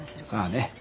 さあね。